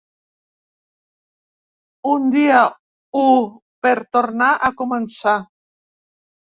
Un dia u per tornar a començar.